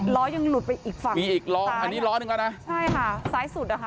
ล้อยังหลุดไปอีกฝั่งมีอีกล้ออันนี้ล้อนึงแล้วนะใช่ค่ะซ้ายสุดอ่ะค่ะ